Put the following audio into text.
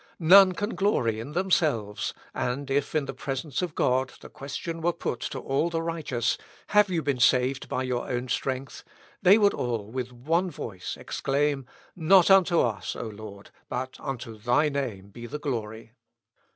None can glory in themselves; and if in the presence of God, the question were put to all the righteous, 'Have you been saved by your own strength?' they would all with one voice exclaim, 'Not unto us, O Lord, but unto thy name be the glory.'